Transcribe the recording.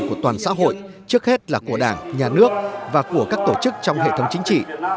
của toàn xã hội trước hết là của đảng nhà nước và của các tổ chức trong hệ thống chính trị